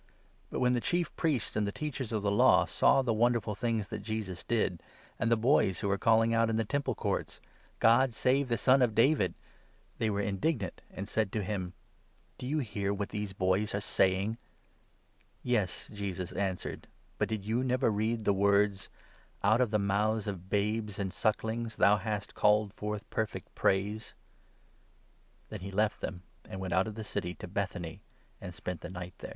But, 15 when the Chief Priests and the Teachers of the Law saw the wonderful things that Jesus did, and the boys who were calling out in the Temple Courts " God save the Son of David !", they were indignant, and said to him : 16 " Do you hear what these boys are saying ?" "Yes, "answered Jesus; " butdidyou never read the words —' Out of the mouths of babes and suckling's thou hast called forth perfect praise '?" Then he left them, and went out of the city to Bethany, and 17 spent the night there.